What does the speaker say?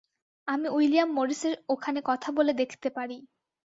আমি উইলিয়াম মরিসের ওখানে কথা বলে দেখতে পারি।